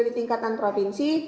di tingkatan provinsi